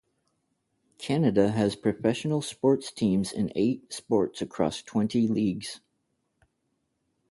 Canada has professional sports teams in eight sports across twenty leagues.